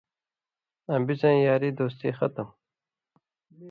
آں بِڅَیں یاری دوستی خَتُم،